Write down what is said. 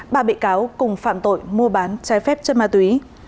ba bị cáo cùng phạm tội mua bán trái phép chất ma túy